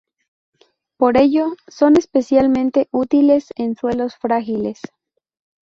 Por ello, son especialmente útiles en suelos frágiles.